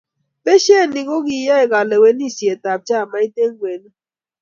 beshe ni, ko kiyoe kalewenisietab chamait eng' kwenut.